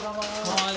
はい。